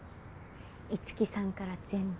樹さんから全部。